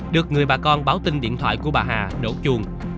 được người bà con báo tin điện thoại của bà hà đổ chuông